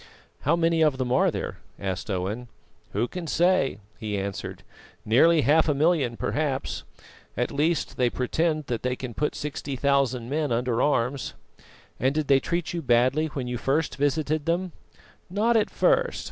"How many of them are there?" asked Owen. "Who can say?" he answered. "Nearly half a million, perhaps; at least they pretend that they can put sixty thousand men under arms." "And did they treat you badly when you first visited them?" "Not at first.